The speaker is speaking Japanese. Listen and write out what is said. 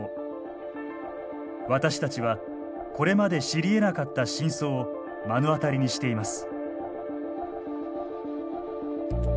私たちはこれまで知りえなかった真相を目の当たりにしています。